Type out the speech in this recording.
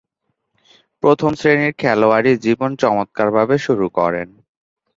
প্রথম-শ্রেণীর খেলোয়াড়ী জীবন চমৎকারভাবে শুরু করেন।